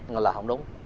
nó là không đúng